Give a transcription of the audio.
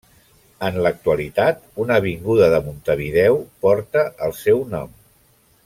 En l'actualitat, una avinguda de Montevideo porta el seu nom.